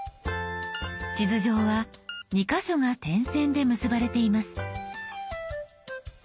地図上は２か所が点線で結ばれています。